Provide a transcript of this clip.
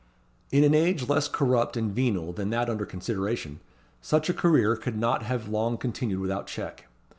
In an age less corrupt and venal than that under consideration, such a career could not have long continued without check.